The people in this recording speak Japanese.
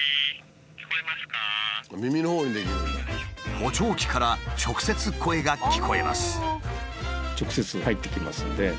補聴器から直接声が聞こえます。